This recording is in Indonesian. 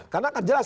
karena kan jelas